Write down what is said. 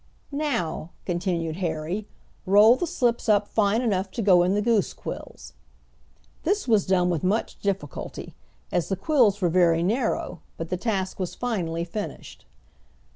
"Now," continued Harry, "roll the slips up fine enough to go in the goose quills." This was done with much difficulty, as the quills were very narrow, but the task was finally finished.